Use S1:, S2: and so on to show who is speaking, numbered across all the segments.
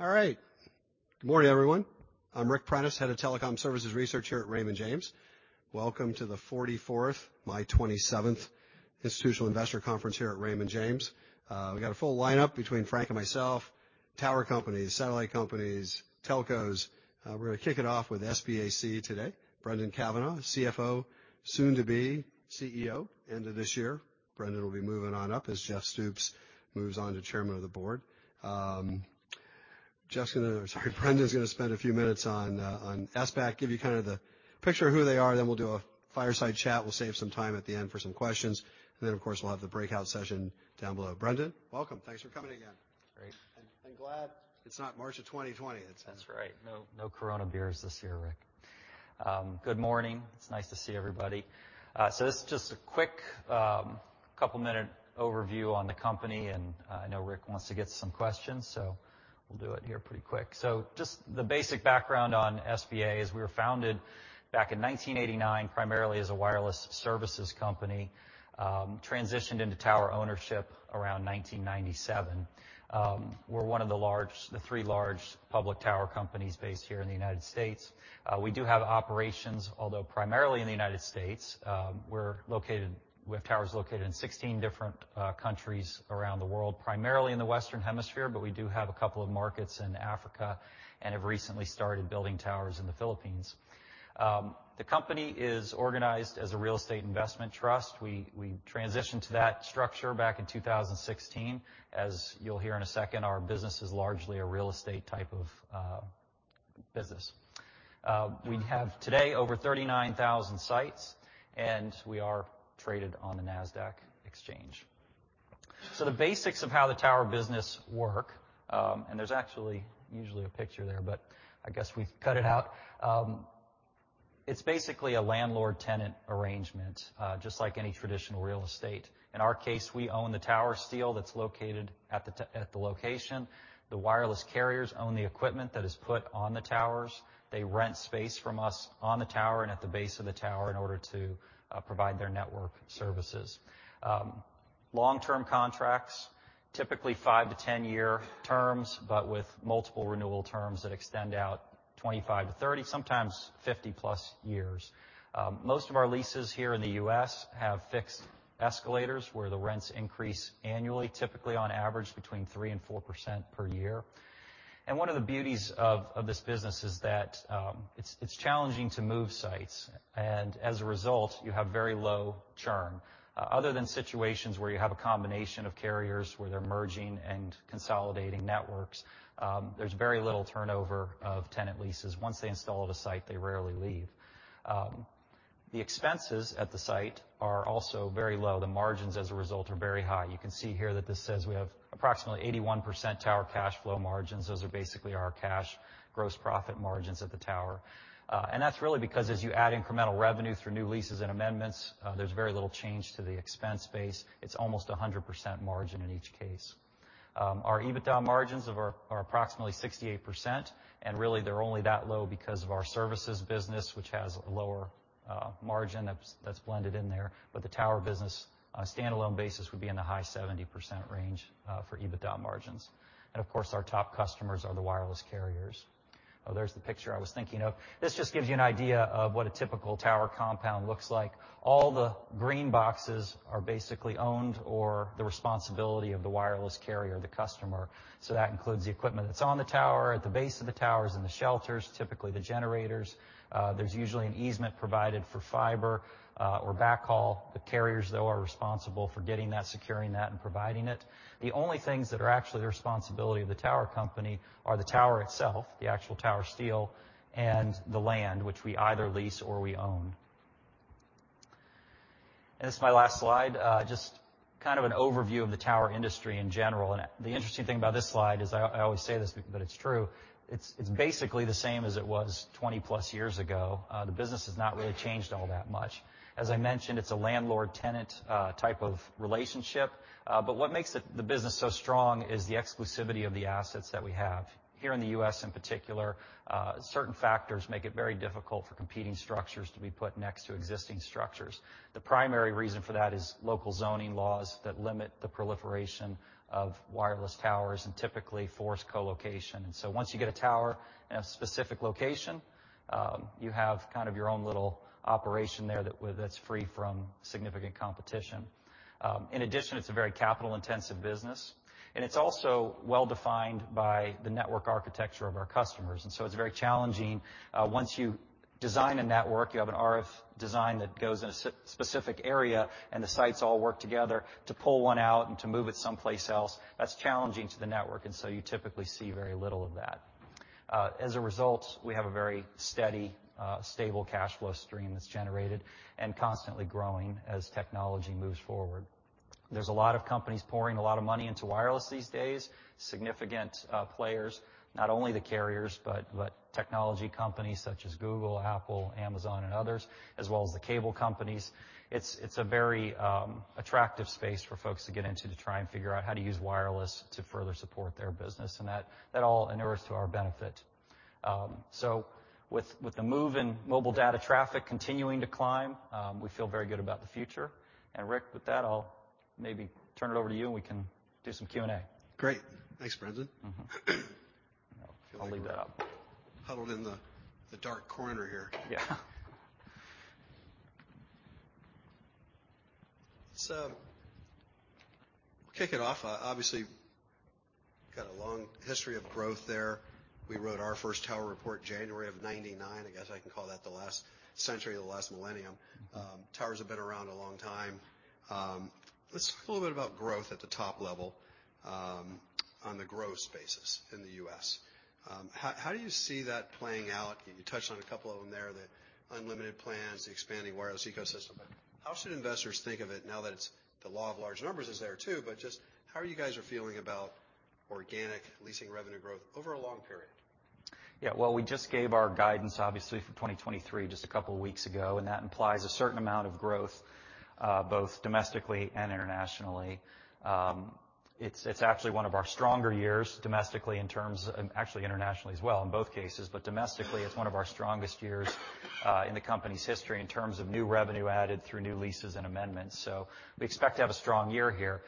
S1: All right. Good morning, everyone. I'm Ric Prentiss, Head of Telecom Services Research here at Raymond James. Welcome to the 44th, my 27th Institutional Investor Conference here at Raymond James. We've got a full lineup between Frank and myself, tower companies, satellite companies, telcos. We're gonna kick it off with SBAC today. Brendan Cavanagh, CFO, soon to be CEO, end of this year. Brendan will be moving on up as Jeff Stoops moves on to Chairman of the Board. Brendan's gonna spend a few minutes on SBAC, give you kind of the picture of who they are, then we'll do a fireside chat. We'll save some time at the end for some questions. Then, of course, we'll have the breakout session down below. Brendan, welcome. Thanks for coming again.
S2: Great.
S1: I'm glad it's not March of 2020. It's.
S2: That's right. No, no Corona beers this year, Ric. Good morning. It's nice to see everybody. This is just a quick, couple minute overview on the company. I know Ric wants to get to some questions, we'll do it here pretty quick. Just the basic background on SBA is we were founded back in 1989, primarily as a wireless services company, transitioned into tower ownership around 1997. We're one of the three large public tower companies based here in the United States. We do have operations, although primarily in the United States, we have towers located in 16 different countries around the world, primarily in the Western Hemisphere, but we do have a couple of markets in Africa and have recently started building towers in the Philippines. The company is organized as a real estate investment trust. We transitioned to that structure back in 2016. As you'll hear in a second, our business is largely a real estate type of business. We have today over 39,000 sites, and we are traded on the Nasdaq exchange. The basics of how the tower business work, and there's actually usually a picture there, but I guess we've cut it out. It's basically a landlord-tenant arrangement, just like any traditional real estate. In our case, we own the tower steel that's located at the location. The wireless carriers own the equipment that is put on the towers. They rent space from us on the tower and at the base of the tower in order to provide their network services. Long-term contracts, typically five to 10 year terms, but with multiple renewal terms that extend out 25-30, sometimes 50+ years. Most of our leases here in the U.S. have fixed escalators, where the rents increase annually, typically on average between 3%-4% per year. One of the beauties of this business is that it's challenging to move sites. As a result, you have very low churn. Other than situations where you have a combination of carriers where they're merging and consolidating networks, there's very little turnover of tenant leases. Once they install at a site, they rarely leave. The expenses at the site are also very low. The margins, as a result, are very high. You can see here that this says we have approximately 81% tower cash flow margins. Those are basically our cash gross profit margins at the tower. That's really because as you add incremental revenue through new leases and amendments, there's very little change to the expense base. It's almost 100% margin in each case. Our EBITDA margins are approximately 68%, and really they're only that low because of our services business, which has a lower margin that's blended in there. The tower business on a standalone basis would be in the high 70% range for EBITDA margins. Of course, our top customers are the wireless carriers. Oh, there's the picture I was thinking of. This just gives you an idea of what a typical tower compound looks like. All the green boxes are basically owned or the responsibility of the wireless carrier, the customer. That includes the equipment that's on the tower, at the base of the towers, in the shelters, typically the generators. There's usually an easement provided for fiber or backhaul. The carriers, though, are responsible for getting that, securing that, and providing it. The only things that are actually the responsibility of the tower company are the tower itself, the actual tower steel, and the land, which we either lease or we own. This is my last slide. Just kind of an overview of the tower industry in general. The interesting thing about this slide is I always say this, but it's true. It's basically the same as it was 20+ years ago. The business has not really changed all that much. As I mentioned, it's a landlord-tenant type of relationship. What makes the business so strong is the exclusivity of the assets that we have. Here in the U.S., in particular, certain factors make it very difficult for competing structures to be put next to existing structures. The primary reason for that is local zoning laws that limit the proliferation of wireless towers and typically force co-location. Once you get a tower in a specific location, you have kind of your own little operation there that's free from significant competition. In addition, it's a very capital-intensive business, and it's also well-defined by the network architecture of our customers. It's very challenging, once you design a network, you have an RF design that goes in a specific area, and the sites all work together to pull one out and to move it someplace else. That's challenging to the network, you typically see very little of that. As a result, we have a very steady, stable cash flow stream that's generated and constantly growing as technology moves forward. There's a lot of companies pouring a lot of money into wireless these days, significant players, not only the carriers, but technology companies such as Google, Apple, Amazon and others, as well as the cable companies. It's a very attractive space for folks to get into to try and figure out how to use wireless to further support their business, and that all inures to our benefit. With the move in mobile data traffic continuing to climb, we feel very good about the future. Ric, with that, I'll maybe turn it over to you, and we can do some Q&A.
S1: Great. Thanks, Brendan.
S2: I'll leave that up.
S1: Huddled in the dark corner here.
S2: Yeah.
S1: Kick it off. Obviously, got a long history of growth there. We wrote our first tower report January of 1999. I guess I can call that the last century or the last millennium. Towers have been around a long time. Let's talk a little bit about growth at the top level, on the growth spaces in the U.S. How do you see that playing out? You touched on a couple of them there, the unlimited plans, the expanding wireless ecosystem. How should investors think of it now that it's the law of large numbers is there too, but just how are you guys are feeling about organic leasing revenue growth over a long period?
S2: Yeah. Well, we just gave our guidance, obviously for 2023, just a couple of weeks ago. That implies a certain amount of growth, both domestically and internationally. It's actually one of our stronger years domestically in terms of actually internationally as well in both cases. Domestically, it's one of our strongest years in the company's history in terms of new revenue added through new leases and amendments. We expect to have a strong year here,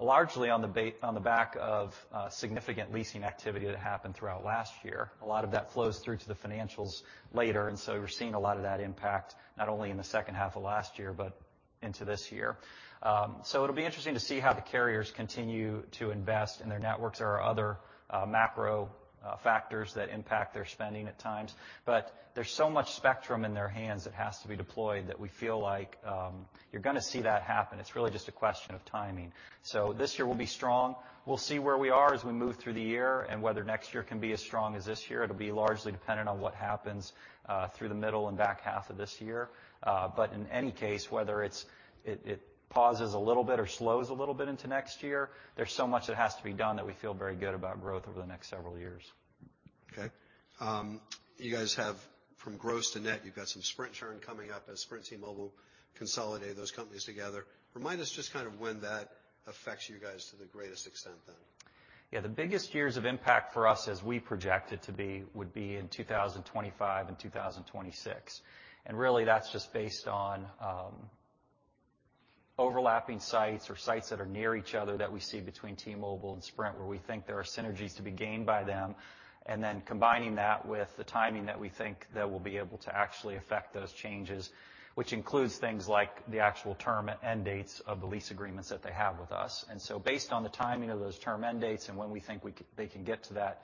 S2: largely on the back of significant leasing activity that happened throughout last year. A lot of that flows through to the financials later, we're seeing a lot of that impact, not only in the second half of last year, but into this year. It'll be interesting to see how the carriers continue to invest in their networks. There are other macro factors that impact their spending at times. There's so much spectrum in their hands that has to be deployed that we feel like you're gonna see that happen. It's really just a question of timing. This year will be strong. We'll see where we are as we move through the year and whether next year can be as strong as this year. It'll be largely dependent on what happens through the middle and back half of this year. In any case, whether it's, it pauses a little bit or slows a little bit into next year, there's so much that has to be done that we feel very good about growth over the next several years.
S1: Okay. You guys have from gross to net, you've got some Sprint churn coming up as Sprint, T-Mobile consolidate those companies together. Remind us just kind of when that affects you guys to the greatest extent then.
S2: Yeah. The biggest years of impact for us as we project it to be, would be in 2025 and 2026. Really, that's just based on overlapping sites or sites that are near each other that we see between T-Mobile and Sprint, where we think there are synergies to be gained by them. Combining that with the timing that we think that we'll be able to actually affect those changes, which includes things like the actual term end dates of the lease agreements that they have with us. Based on the timing of those term end dates and when we think they can get to that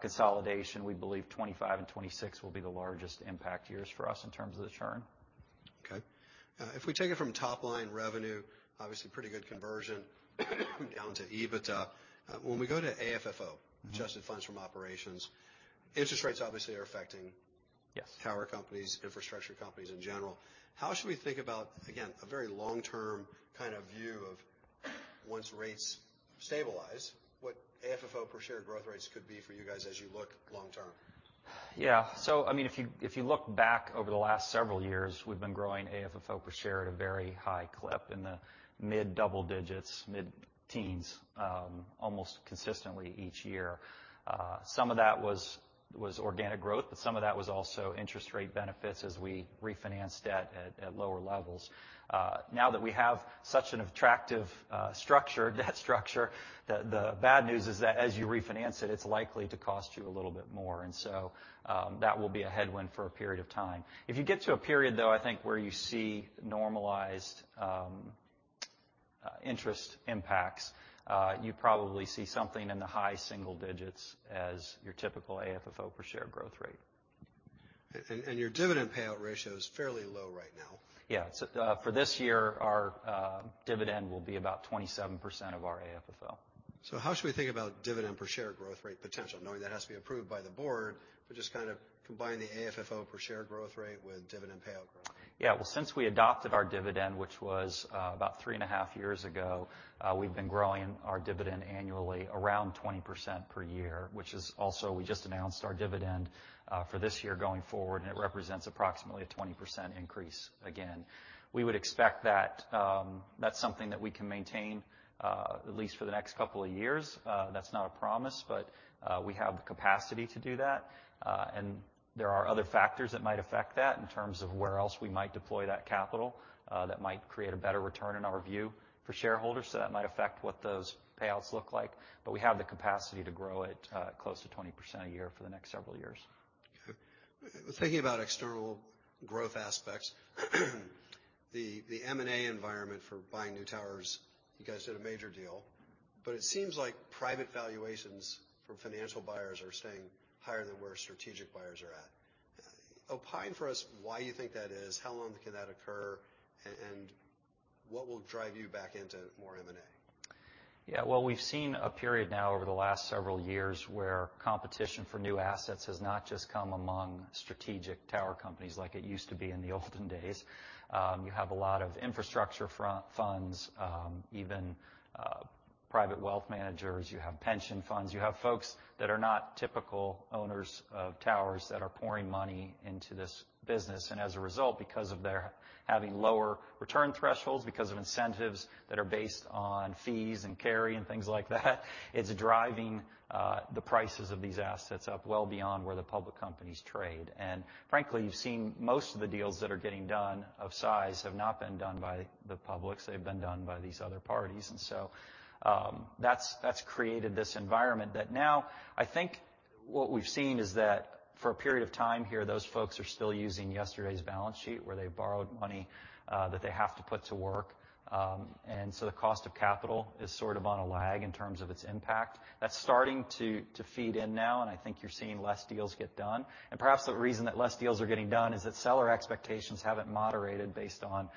S2: consolidation, we believe 25 and 26 will be the largest impact years for us in terms of the churn.
S1: Okay. If we take it from top-line revenue, obviously pretty good conversion down to EBITDA. When we go to AFFO, Adjusted Funds From Operations, interest rates obviously are affecting-
S2: Yes.
S1: Tower companies, infrastructure companies in general. How should we think about, again, a very long-term kind of view of once rates stabilize, what AFFO per share growth rates could be for you guys as you look long term?
S2: I mean, if you look back over the last several years, we've been growing AFFO per share at a very high clip in the mid-double digits, mid-teens, almost consistently each year. Some of that was organic growth, but some of that was also interest rate benefits as we refinanced debt at lower levels. Now that we have such an attractive structure, debt structure, the bad news is that as you refinance it's likely to cost you a little bit more. That will be a headwind for a period of time. If you get to a period, though, I think, where you see normalized interest impacts, you probably see something in the high single digits as your typical AFFO per share growth rate.
S1: Your dividend payout ratio is fairly low right now.
S2: Yeah. For this year, our dividend will be about 27% of our AFFO.
S1: How should we think about dividend per share growth rate potential, knowing that has to be approved by the board, but just kind of combine the AFFO per share growth rate with dividend payout growth?
S2: Yeah. Well, since we adopted our dividend, which was about three and a half years ago, we've been growing our dividend annually around 20% per year, which is also, we just announced our dividend for this year going forward, and it represents approximately a 20% increase again. We would expect that that's something that we can maintain at least for the next couple of years. That's not a promise, we have the capacity to do that. There are other factors that might affect that in terms of where else we might deploy that capital, that might create a better return in our view for shareholders. That might affect what those payouts look like. We have the capacity to grow at close to 20% a year for the next several years.
S1: Okay. Thinking about external growth aspects, the M&A environment for buying new towers, you guys did a major deal. It seems like private valuations for financial buyers are staying higher than where strategic buyers are at. Opine for us why you think that is, how long can that occur, and what will drive you back into more M&A?
S2: Well, we've seen a period now over the last several years where competition for new assets has not just come among strategic tower companies like it used to be in the olden days. You have a lot of infrastructure funds, even private wealth managers. You have pension funds. You have folks that are not typical owners of towers that are pouring money into this business. As a result, because of their having lower return thresholds, because of incentives that are based on fees and carry and things like that, it's driving the prices of these assets up well beyond where the public companies trade. Frankly, you've seen most of the deals that are getting done of size have not been done by the publics. They've been done by these other parties. That's created this environment that now What we've seen is that for a period of time here, those folks are still using yesterday's balance sheet, where they borrowed money, that they have to put to work. The cost of capital is sort of on a lag in terms of its impact. That's starting to feed in now, and I think you're seeing less deals get done. Perhaps the reason that less deals are getting done is that seller expectations haven't moderated based on,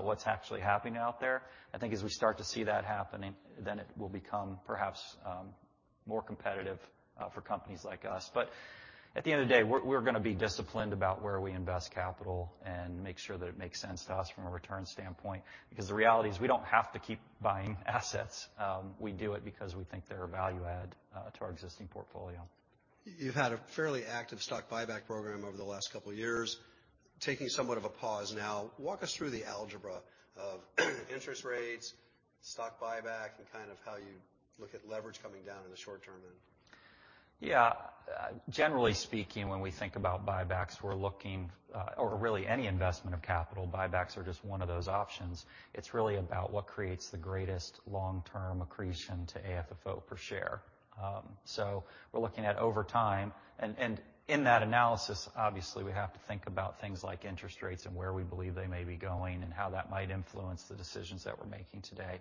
S2: what's actually happening out there. I think as we start to see that happening, then it will become perhaps, more competitive, for companies like us. At the end of the day, we're gonna be disciplined about where we invest capital and make sure that it makes sense to us from a return standpoint, because the reality is we don't have to keep buying assets. We do it because we think they're a value add to our existing portfolio.
S1: You've had a fairly active stock buyback program over the last couple years, taking somewhat of a pause now. Walk us through the algebra of interest rates, stock buyback, and kind of how you look at leverage coming down in the short term then.
S2: Generally speaking, when we think about buybacks, we're looking, or really any investment of capital, buybacks are just one of those options. It's really about what creates the greatest long-term accretion to AFFO per share. We're looking at over time, and in that analysis, obviously, we have to think about things like interest rates and where we believe they may be going and how that might influence the decisions that we're making today.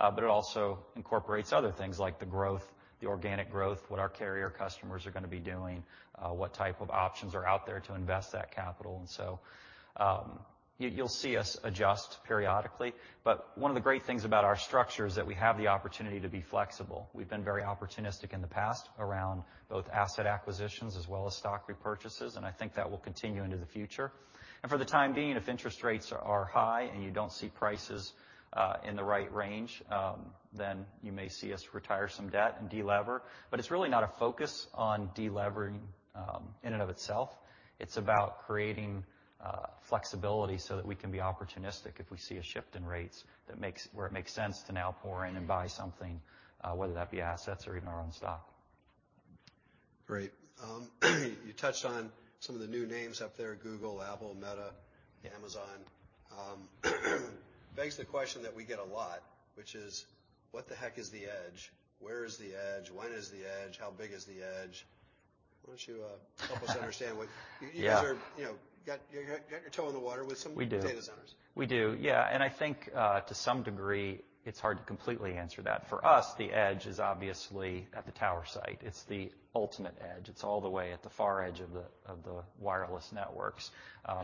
S2: It also incorporates other things like the growth, the organic growth, what our carrier customers are gonna be doing, what type of options are out there to invest that capital. You'll see us adjust periodically, but one of the great things about our structure is that we have the opportunity to be flexible. We've been very opportunistic in the past around both asset acquisitions as well as stock repurchases. I think that will continue into the future. For the time being, if interest rates are high and you don't see prices in the right range, then you may see us retire some debt and delever. It's really not a focus on delevering in and of itself. It's about creating flexibility so that we can be opportunistic if we see a shift in rates where it makes sense to now pour in and buy something, whether that be assets or even our own stock.
S1: Great. You touched on some of the new names up there, Google, Apple, Meta, Amazon. begs the question that we get a lot, which is, what the heck is the edge? Where is the edge? When is the edge? How big is the edge? Why don't you help us understand.
S2: Yeah.
S1: You guys are, you know, got your toe in the water with some data centers.
S2: We do, yeah. I think, to some degree, it's hard to completely answer that. For us, the edge is obviously at the tower site. It's the ultimate edge. It's all the way at the far edge of the wireless networks.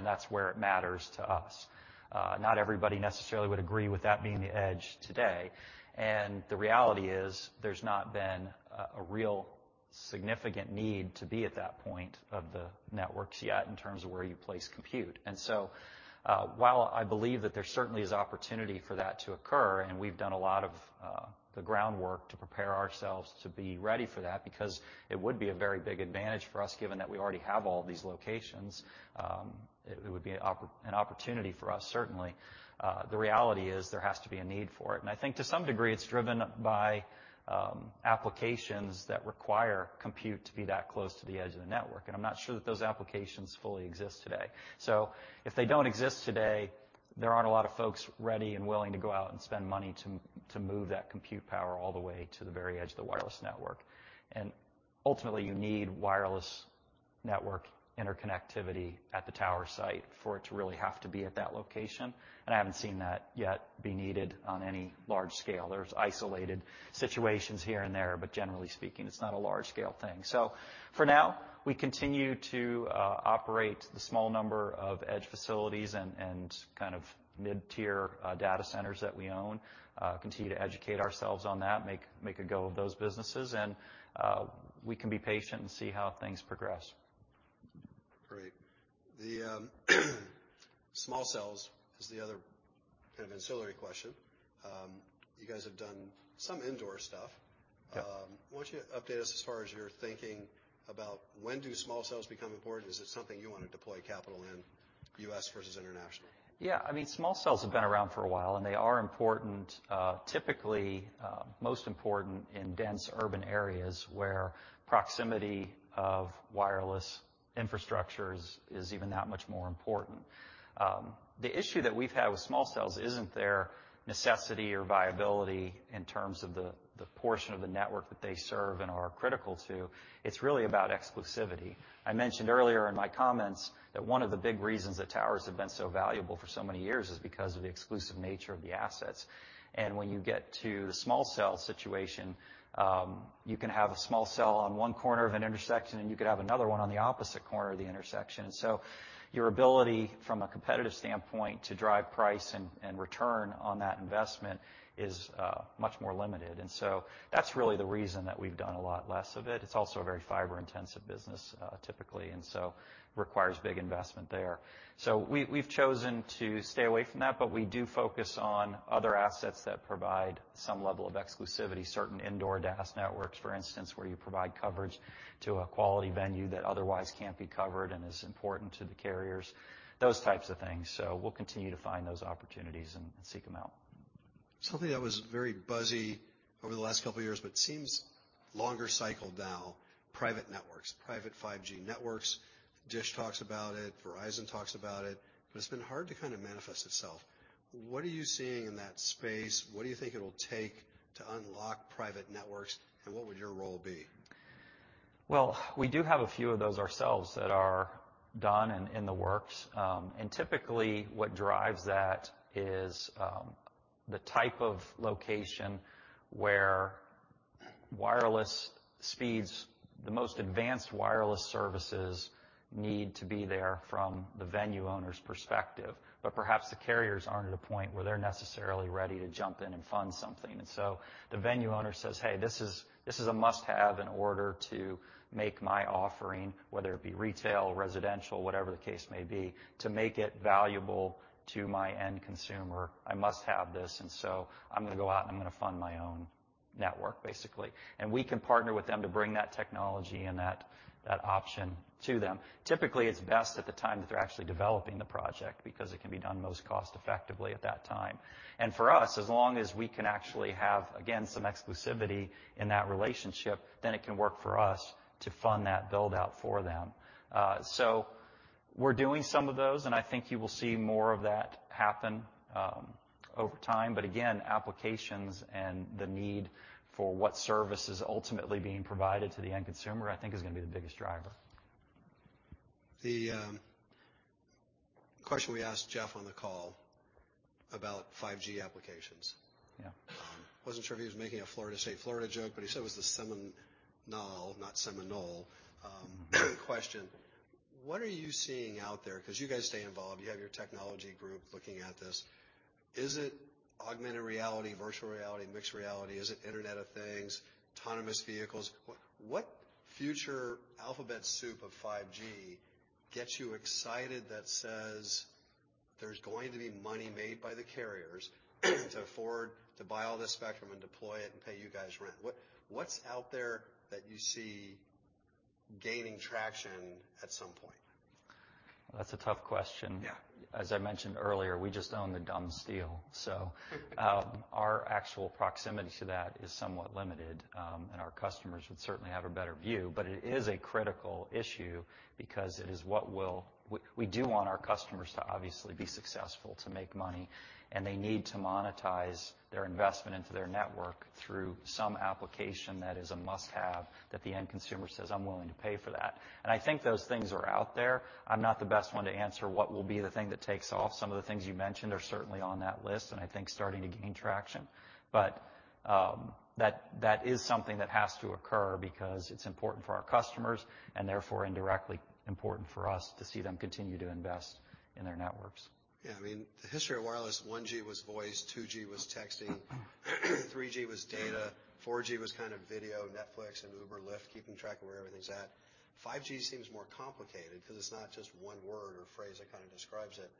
S2: That's where it matters to us. Not everybody necessarily would agree with that being the edge today. The reality is, there's not been a real significant need to be at that point of the networks yet in terms of where you place compute. While I believe that there certainly is opportunity for that to occur, and we've done a lot of the groundwork to prepare ourselves to be ready for that, because it would be a very big advantage for us given that we already have all these locations, an opportunity for us, certainly. The reality is there has to be a need for it. I think to some degree, it's driven by applications that require compute to be that close to the edge of the network, and I'm not sure that those applications fully exist today. If they don't exist today, there aren't a lot of folks ready and willing to go out and spend money to move that compute power all the way to the very edge of the wireless network. Ultimately, you need wireless network interconnectivity at the tower site for it to really have to be at that location, and I haven't seen that yet be needed on any large scale. There's isolated situations here and there, but generally speaking, it's not a large scale thing. For now, we continue to operate the small number of edge facilities and kind of mid-tier data centers that we own, continue to educate ourselves on that, make a go of those businesses, and we can be patient and see how things progress.
S1: Great. The small cells is the other kind of ancillary question. You guys have done some indoor stuff.
S2: Yeah.
S1: Why don't you update us as far as you're thinking about when do small cells become important? Is it something you wanna deploy capital in U.S. versus international?
S2: I mean, small cells have been around for a while, they are important, typically, most important in dense urban areas where proximity of wireless infrastructure is even that much more important. The issue that we've had with small cells isn't their necessity or viability in terms of the portion of the network that they serve and are critical to. It's really about exclusivity. I mentioned earlier in my comments that one of the big reasons that towers have been so valuable for so many years is because of the exclusive nature of the assets. When you get to the small cell situation, you can have a small cell on one corner of an intersection, and you could have another one on the opposite corner of the intersection. Your ability, from a competitive standpoint, to drive price and return on that investment is much more limited. That's really the reason that we've done a lot less of it. It's also a very fiber-intensive business, typically, requires big investment there. We've chosen to stay away from that, but we do focus on other assets that provide some level of exclusivity, certain indoor DAS networks, for instance, where you provide coverage to a quality venue that otherwise can't be covered and is important to the carriers, those types of things. We'll continue to find those opportunities and seek them out.
S1: Something that was very buzzy over the last couple of years, but seems longer cycle now, private networks, private 5G networks. DISH talks about it, Verizon talks about it, but it's been hard to kind of manifest itself. What are you seeing in that space? What do you think it'll take to unlock private networks, and what would your role be?
S2: We do have a few of those ourselves that are done and in the works. Typically, what drives that is the type of location where wireless speeds, the most advanced wireless services need to be there from the venue owner's perspective. Perhaps the carriers aren't at a point where they're necessarily ready to jump in and fund something. The venue owner says, "Hey, this is a must-have in order to make my offering, whether it be retail, residential, whatever the case may be. To make it valuable to my end consumer, I must have this, and so I'm gonna go out and I'm gonna fund my own network," basically. We can partner with them to bring that technology and that option to them. Typically, it's best at the time that they're actually developing the project, because it can be done most cost effectively at that time. For us, as long as we can actually have, again, some exclusivity in that relationship, then it can work for us to fund that build-out for them. We're doing some of those, and I think you will see more of that happen over time. Again, applications and the need for what service is ultimately being provided to the end consumer, I think is gonna be the biggest driver.
S1: The question we asked Jeff on the call about 5G applications.
S2: Yeah.
S1: Wasn't sure if he was making a Florida State Florida joke, he said it was the seminal, not seminal, question. What are you seeing out there? 'Cause you guys stay involved. You have your technology group looking at this. Is it augmented reality, virtual reality, mixed reality? Is it Internet of Things, autonomous vehicles? What, what future alphabet soup of 5G gets you excited that says there's going to be money made by the carriers to afford to buy all this spectrum and deploy it and pay you guys rent? What, what's out there that you see gaining traction at some point?
S2: That's a tough question.
S1: Yeah.
S2: As I mentioned earlier, we just own the dumb steel. Our actual proximity to that is somewhat limited, and our customers would certainly have a better view. It is a critical issue because it is what will. We do want our customers to obviously be successful to make money, and they need to monetize their investment into their network through some application that is a must-have that the end consumer says, "I'm willing to pay for that." I think those things are out there. I'm not the best one to answer what will be the thing that takes off. Some of the things you mentioned are certainly on that list, and I think starting to gain traction. That is something that has to occur because it's important for our customers and therefore indirectly important for us to see them continue to invest in their networks.
S1: I mean, the history of wireless, 1G was voice, 2G was texting, 3G was data, 4G was kind of video, Netflix and Uber, Lyft, keeping track of where everything's at. 5G seems more complicated 'cause it's not just one word or phrase that kinda describes it.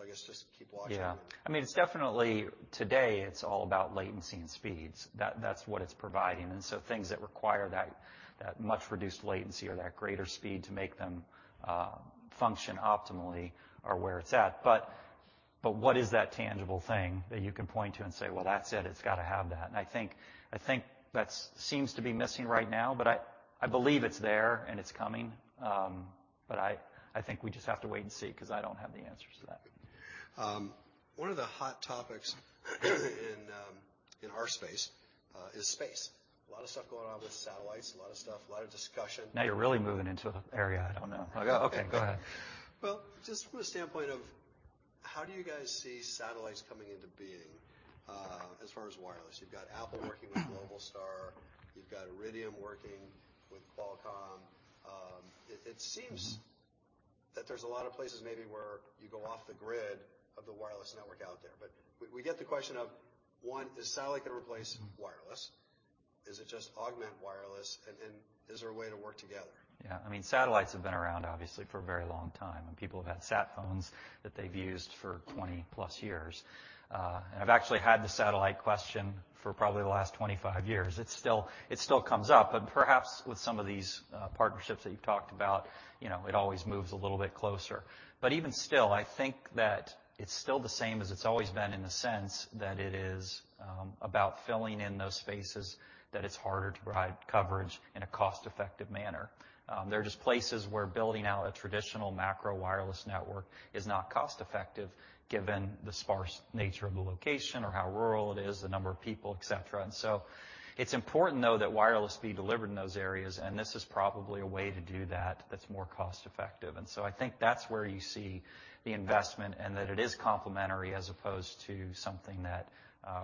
S1: I guess just keep watching.
S2: Yeah. I mean, it's definitely today it's all about latency and speeds. That's what it's providing. Things that require that much reduced latency or that greater speed to make them function optimally are where it's at. What is that tangible thing that you can point to and say, "Well, that's it. It's gotta have that"? I think that's seems to be missing right now, but I believe it's there and it's coming. I think we just have to wait and see, 'cause I don't have the answers to that.
S1: One of the hot topics in in our space is space. A lot of stuff going on with satellites, a lot of discussion.
S2: You're really moving into an area I don't know. Okay, go ahead.
S1: Well, just from the standpoint of how do you guys see satellites coming into being, as far as wireless? You've got Apple working with Globalstar. You've got Iridium working with Qualcomm. It seems that there's a lot of places maybe where you go off the grid of the wireless network out there. We get the question of, one, is satellite gonna replace wireless? Is it just augment wireless, and is there a way to work together?
S2: Yeah. I mean, satellites have been around, obviously, for a very long time, and people have had sat phones that they've used for 20+ years. I've actually had the satellite question for probably the last 25 years. It still comes up, perhaps with some of these partnerships that you've talked about, you know, it always moves a little bit closer. Even still, I think that it's still the same as it's always been in the sense that it is about filling in those spaces that it's harder to provide coverage in a cost-effective manner. There are just places where building out a traditional macro wireless network is not cost-effective given the sparse nature of the location or how rural it is, the number of people, et cetera. It's important, though, that wireless be delivered in those areas, and this is probably a way to do that that's more cost effective. I think that's where you see the investment and that it is complementary as opposed to something that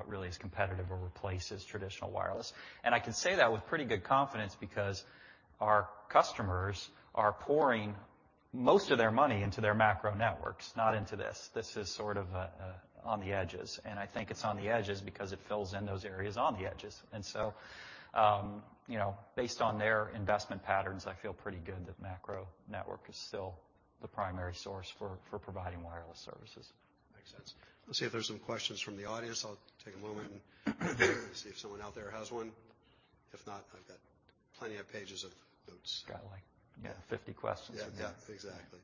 S2: really is competitive or replaces traditional wireless. I can say that with pretty good confidence because our customers are pouring most of their money into their macro networks, not into this. This is sort of on the edges, and I think it's on the edges because it fills in those areas on the edges. You know, based on their investment patterns, I feel pretty good that macro network is still the primary source for providing wireless services.
S1: Makes sense. Let's see if there's some questions from the audience. I'll take a moment and see if someone out there has one. If not, I've got plenty of pages of notes.
S2: Got like, yeah, 50 questions in there.
S1: Yeah. Yeah. Exactly.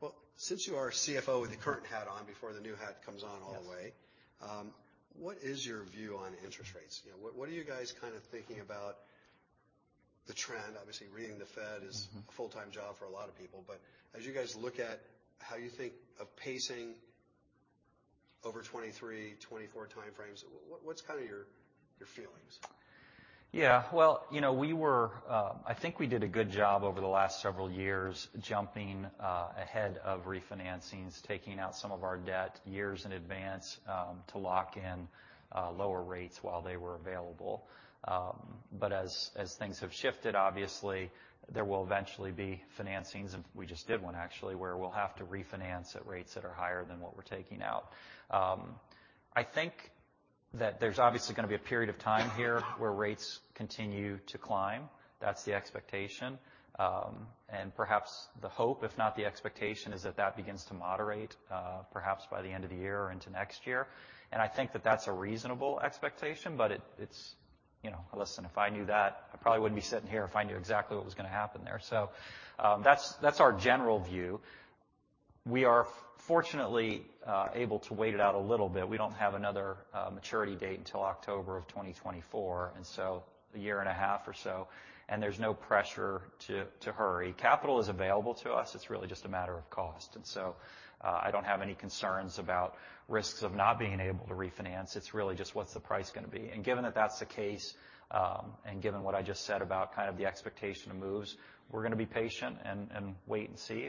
S1: Well, since you are CFO with the current hat on before the new hat comes on all the way.
S2: Yes.
S1: What is your view on interest rates? You know, what are you guys kinda thinking about the trend, obviously reading the Fed is a full-time job for a lot of people. As you guys look at how you think of pacing over 2023, 2024 timeframes, what's kind of your feelings?
S2: Yeah. Well, you know, we were. I think we did a good job over the last several years jumping ahead of refinancings, taking out some of our debt years in advance, to lock in lower rates while they were available. As things have shifted, obviously there will eventually be financings, and we just did one actually, where we'll have to refinance at rates that are higher than what we're taking out. I think that there's obviously gonna be a period of time here where rates continue to climb. That's the expectation. Perhaps the hope, if not the expectation, is that that begins to moderate, perhaps by the end of the year or into next year. I think that that's a reasonable expectation, but it's, you know, listen, if I knew that, I probably wouldn't be sitting here if I knew exactly what was gonna happen there. That's our general view. We are fortunately able to wait it out a little bit. We don't have another maturity date until October of 2024, a year and a half or so, and there's no pressure to hurry. Capital is available to us. It's really just a matter of cost. I don't have any concerns about risks of not being able to refinance. It's really just, what's the price gonna be? Given that that's the case, and given what I just said about kind of the expectation of moves, we're gonna be patient and wait and see.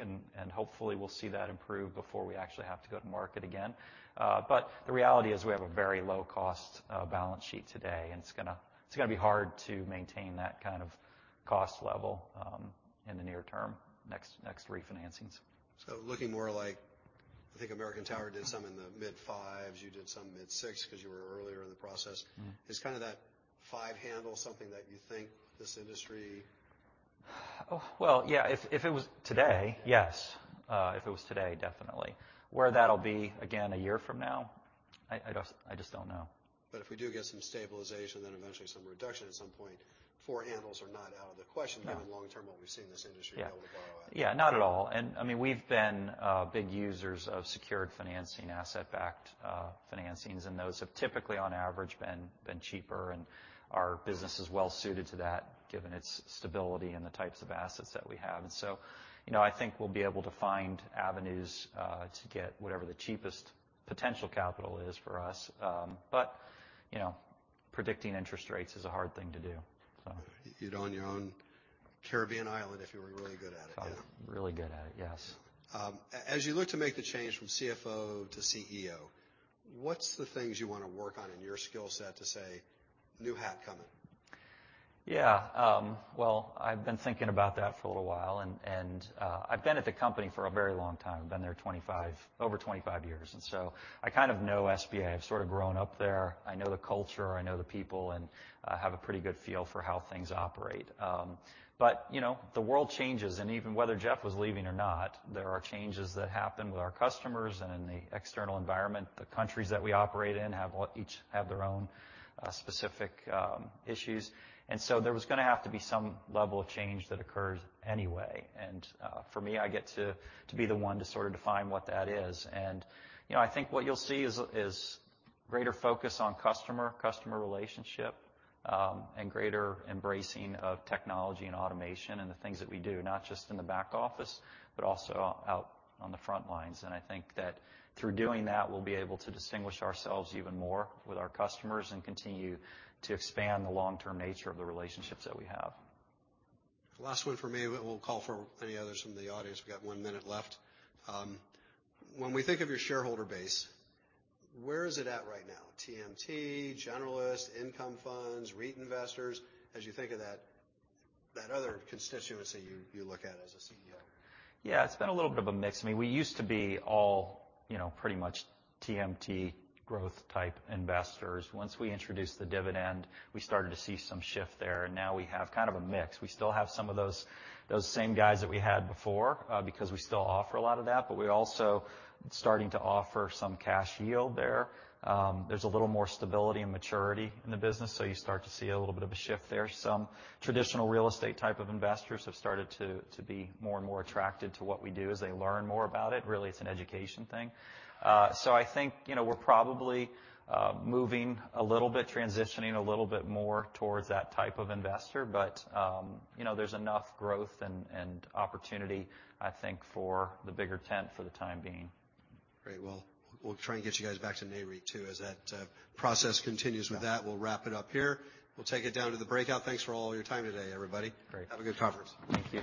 S2: Hopefully we'll see that improve before we actually have to go to market again. The reality is we have a very low cost, balance sheet today, and it's gonna be hard to maintain that kind of cost level, in the near term, next refinancings.
S1: Looking more like, I think American Tower did some in the mid fives. You did some mid six, 'cause you were earlier in the process is kind of that five handle something that you think this industry-
S2: Well, yeah, if it was today, yes. If it was today, definitely. Where that'll be, again, a year from now, I just don't know.
S1: If we do get some stabilization, then eventually some reduction at some point, four handles are not out of the question.
S2: No
S1: given long term what we've seen this industry be able to borrow at.
S2: Yeah. Yeah, not at all. I mean, we've been big users of secured financing, asset-backed financings, and those have typically on average been cheaper and our business is well suited to that given its stability and the types of assets that we have. You know, I think we'll be able to find avenues to get whatever the cheapest potential capital is for us. You know, predicting interest rates is a hard thing to do, so.
S1: You'd own your own Caribbean island if you were really good at it.
S2: If I were really good at it, yes.
S1: as you look to make the change from CFO to CEO, what's the things you wanna work on in your skill set to say, "New hat coming"?
S2: Yeah. Well, I've been thinking about that for a little while. I've been at the company for a very long time. Been there over 25 years, I kind of know SBA. I've sort of grown up there. I know the culture, I know the people, and I have a pretty good feel for how things operate. You know, the world changes, even whether Jeff was leaving or not, there are changes that happen with our customers and in the external environment. The countries that we operate in each have their own specific issues. There was gonna have to be some level of change that occurs anyway. For me, I get to be the one to sort of define what that is. You know, I think what you'll see is greater focus on customer relationship and greater embracing of technology and automation and the things that we do, not just in the back office, but also out on the front lines. I think that through doing that, we'll be able to distinguish ourselves even more with our customers and continue to expand the long-term nature of the relationships that we have.
S1: Last one from me, we'll call for any others from the audience. We've got 1 minute left. When we think of your shareholder base, where is it at right now? TMT, generalists, income funds, REIT investors? As you think of that other constituency you look at as a CEO.
S2: It's been a little bit of a mix. I mean, we used to be all, you know, pretty much TMT growth type investors. Once we introduced the dividend, we started to see some shift there. Now we have kind of a mix. We still have some of those same guys that we had before because we still offer a lot of that. We're also starting to offer some cash yield there. There's a little more stability and maturity in the business. You start to see a little bit of a shift there. Some traditional real estate type of investors have started to be more and more attracted to what we do as they learn more about it. It's an education thing. I think, you know, we're probably moving a little bit, transitioning a little bit more towards that type of investor. You know, there's enough growth and opportunity, I think, for the bigger tent for the time being.
S1: Great. Well, we'll try and get you guys back to Nareit too as that process continues.
S2: Yeah.
S1: With that, we'll wrap it up here. We'll take it down to the breakout. Thanks for all your time today, everybody.
S2: Great.
S1: Have a good conference.
S2: Thank you.